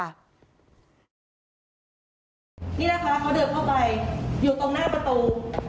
นี่นะคะเขาเดินเข้าไปอยู่ตรงหน้าประตู